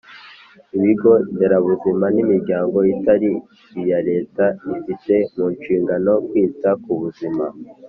ibigo nderabuzima n’imiryango itari iya Leta ifite mu nshingano kwita ku buzima